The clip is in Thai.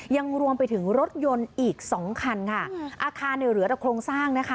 ยังรวมไปถึงรถยนต์อีกสองคันค่ะอาคารเนี่ยเหลือแต่โครงสร้างนะคะ